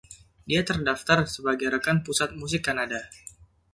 Dia terdaftar sebagai rekan Pusat Musik Kanada.